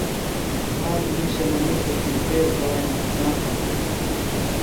آک مِیشہ منِیتوۡ کی تیز باݜ نقصان تھانوۡ۔